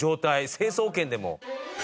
成層圏でも。